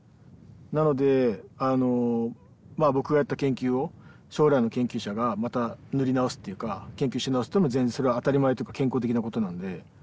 なので僕がやった研究を将来の研究者がまた塗り直すっていうか研究し直すっていうのも全然それは当たり前というか健康的なことなので。